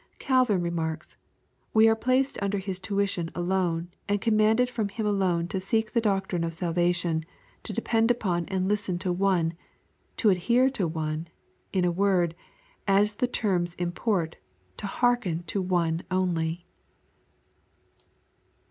Calvin remarks, " We are placed under His tuition alone, and commanded from Him alone to seek the doctrine of salvation, to depend upon and listen to One — ^to adhere to One — ^in a word, as the terms import^ to hearken to One only."